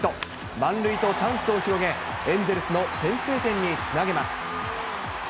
満塁とチャンスを広げ、エンゼルスの先制点につなげます。